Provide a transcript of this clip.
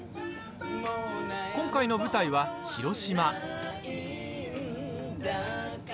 今回の舞台は広島。